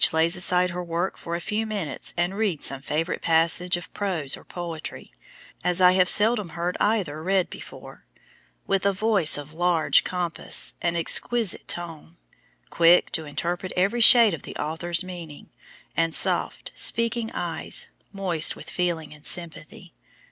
lays aside her work for a few minutes and reads some favorite passage of prose or poetry, as I have seldom heard either read before, with a voice of large compass and exquisite tone, quick to interpret every shade of the author's meaning, and soft, speaking eyes, moist with feeling and sympathy.